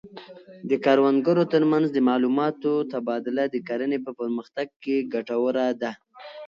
د کروندګرو ترمنځ د معلوماتو تبادله د کرنې په پرمختګ کې ګټوره ده.